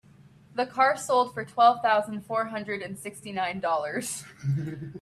The car sold for twelve thousand four hundred and sixty nine Dollars.